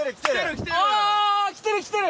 あー、来てる、来てる。